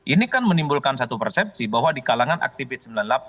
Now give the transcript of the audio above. ini kan menimbulkan satu persepsi bahwa di kalangan aktivis sembilan puluh delapan